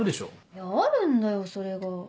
いやあるんだよそれが。